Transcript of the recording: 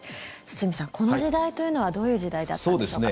堤さん、この時代というのはどういう時代だったんでしょう。